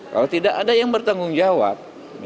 kalau tidak ada yang bertanggung jawab